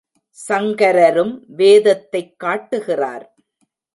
சங்கரரும் வேதத்தைக் காட்டுகிறார்.